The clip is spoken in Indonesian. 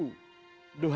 duhai siti hajar